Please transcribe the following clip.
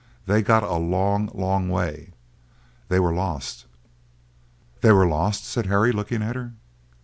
They got a long, long way; they were lost!" "They were lost?" said Harry, looking at her.